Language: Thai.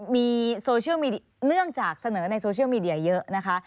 มีเนื่องจากเสนอในโซเชียลมีเดียเยอะ